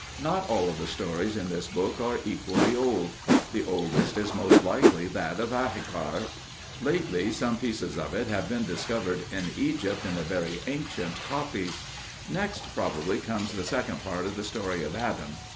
Not all of the stories in this book are equally old. The oldest is most likely that of Ahikar. Lately some pieces of it have been discovered in Egypt in a very ancient copy. Next, probably, comes the second part of the story of Adam.